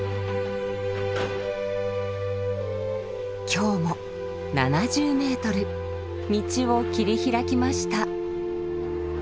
今日も７０ｍ道を切り開きました。